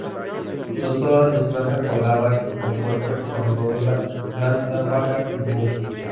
Son todas de planta cuadrada, con puerta con dovela, planta baja y bóveda.